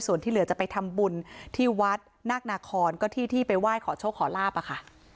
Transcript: ส่วนที่เหลือจะไปทำบุญที่วัดนาคนาคอนก็ที่ที่ไปไหว้ขอโชคขอลาบอะค่ะ